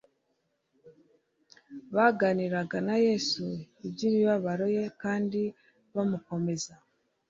baganiraga na Yesu iby'imibabaro ye kandi bamukomeza,